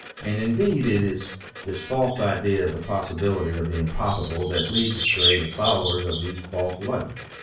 And indeed it is this false idea of the possibility of the impossible that leads astray the followers of these false lights.